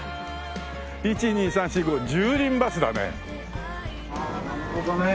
１２３４５１０人バスだね。